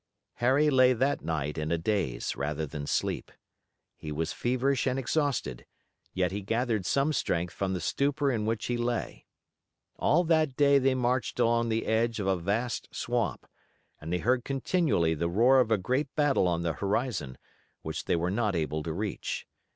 Harry lay that night in a daze rather than sleep. He was feverish and exhausted, yet he gathered some strength from the stupor in which he lay. All that day they marched along the edge of a vast swamp, and they heard continually the roar of a great battle on the horizon, which they were not able to reach.